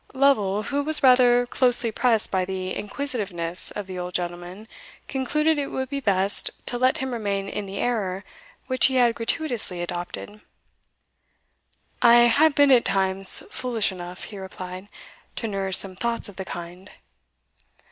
Lovel, who was rather closely pressed by the inquisitiveness of the old gentleman, concluded it would be best to let him remain in the error which he had gratuitously adopted. "I have been at times foolish enough," he replied, "to nourish some thoughts of the kind."